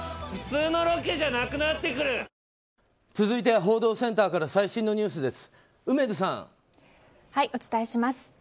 続いては報道センターから最新のニュースです。